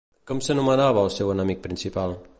Com s'anomenava el seu enemic principal?